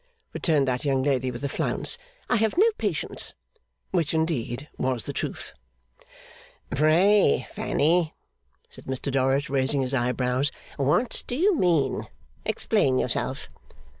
returned that young lady with a flounce. 'I have no patience' (which indeed was the truth). 'Pray, Fanny,' said Mr Dorrit, raising his eyebrows, 'what do you mean? Explain yourself.